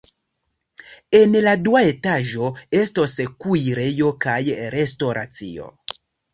En la dua etaĝo estos kuirejo kaj restoracio.